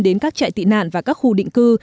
đến các trại tị nạn và các khu định cư